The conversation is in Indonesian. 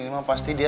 ini mah pasti dia